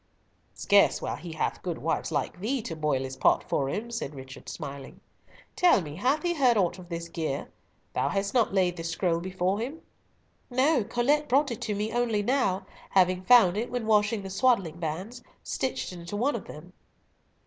"Scarce while he hath good wives like thee to boil his pot for him," said Richard, smiling. "Tell me, hath he heard aught of this gear? thou hast not laid this scroll before him?" "No, Colet brought it to me only now, having found it when washing the swaddling bands, stitched into one of them."